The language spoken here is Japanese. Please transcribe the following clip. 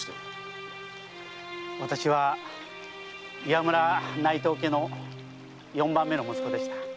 私は岩村内藤家の四番目の息子でした。